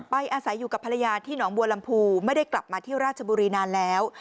อาศัยอยู่กับภรรยาที่หนองบัวลำพูไม่ได้กลับมาที่ราชบุรีนานแล้ว